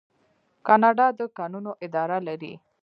کاناډا د کانونو اداره لري.